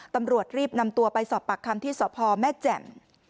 ตำรวจรีบนำตัวไปสอบปากคำที่สพแม่แจ่ม